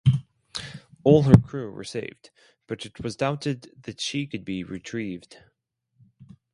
All her crew were saved but it was doubted that she could be retrieved.